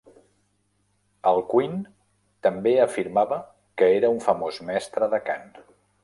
Alcuin també afirmava que era un famós mestre de cant.